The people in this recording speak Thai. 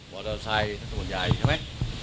อเตอร์ไซค์ส่วนใหญ่ใช่ไหม